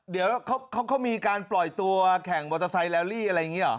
เดี๋ยวเขาก็มีการปล่อยตัวแข่งมอเตอร์ไซค์แลลี่อะไรอย่างนี้หรอ